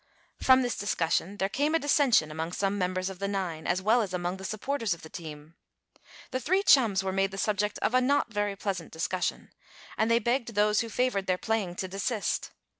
From this discussion there came a dissension among some members of the nine, as well as among the supporters of the team. The three chums were made the subject of a not very pleasant discussion, and they begged those who favored their playing to desist.